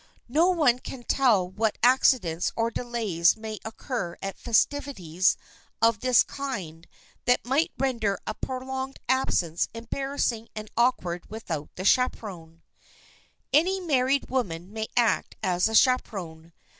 No one can tell what accidents or delays may occur at festivities of this kind that might render a prolonged absence embarrassing and awkward without the chaperon. [Sidenote: THE CHAPERON'S DUTIES] Any married woman may act as chaperon.